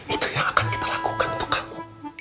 itu yang akan kita lakukan untuk aku